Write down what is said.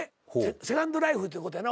セカンドライフということやな